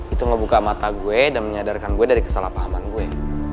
itu ngebuka mata gue dan menyadarkan gue dari kesalahpahaman gue